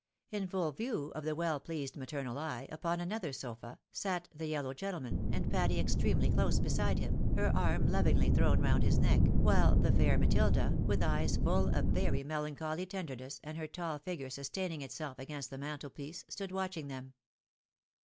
In full view of the weU pleased maternal eye, upon another sofa, sat the yellow gentleman, and Patty extremely close beside him, her arm lovingly thrown round his neck ; while the fair Matilda, with eyes full of very me lancholy tenderness, and her tall figure sustaining itself against the mantel piece, stood watching them.